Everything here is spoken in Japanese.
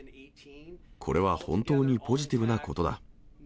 これは本当にポジティブなことだ。